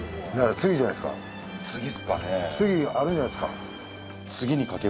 次あるんじゃないですか？